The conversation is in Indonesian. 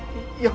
mas gak tau